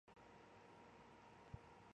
普通勇号仅见于清前和清初。